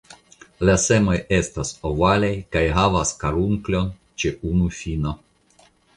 La semoj estas ovalaj kaj havas karunkulon ĉe unu fino.